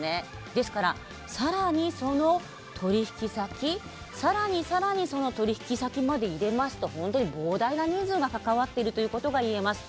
ですから更にその取引先更に更にその取引先まで入れますと本当に膨大な人数が関わってるということがいえます。